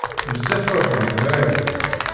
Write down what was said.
Bezzaf truḥemt bɛid.